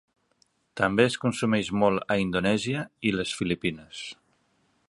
També es consumeix molt a Indonèsia i les Filipines.